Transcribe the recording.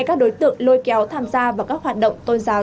các đối tượng lôi kéo tham gia vào các hoạt động tôn giáo